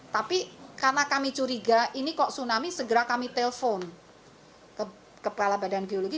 tapi karena kami curiga ini kok tsunami segera kami telpon ke kepala badan geologi